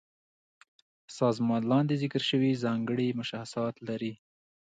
سازمان لاندې ذکر شوي ځانګړي مشخصات لري.